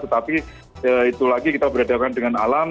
tapi itu lagi kita berada dengan alam